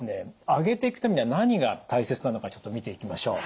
上げていくためには何が大切なのかちょっと見ていきましょう。